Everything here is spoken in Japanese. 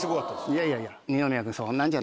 いやいやいや。